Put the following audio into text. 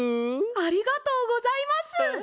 ありがとうございます！